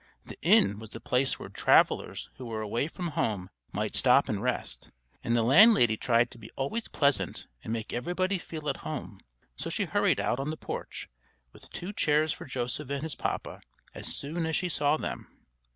The inn was the place where travelers who were away from home might stop and rest, and the landlady tried to be always pleasant and make everybody feel at home; so she hurried out on the porch, with two chairs for Joseph and his papa, as soon as she saw them.